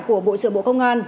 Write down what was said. của bộ trưởng bộ công an